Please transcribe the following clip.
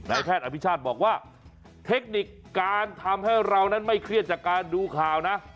แพทย์อภิชาติบอกว่าเทคนิคการทำให้เรานั้นไม่เครียดจากการดูข่าวนะ